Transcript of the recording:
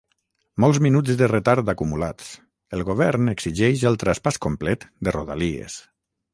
Molts minuts de retard acumulats: el Govern exigeix el traspàs complet de Rodalies